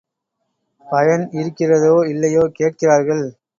பயன் இருக்கிறதோ இல்லையோ கேட்கிறார்கள்!